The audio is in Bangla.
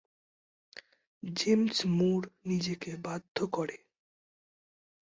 জেমস মুর নিজেকে বাধ্য করে।